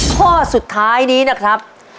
ข้อสุดท้ายนี้นะครับ